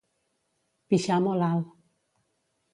Pixar molt alt.